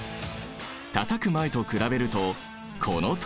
たたく前と比べるとこのとおり！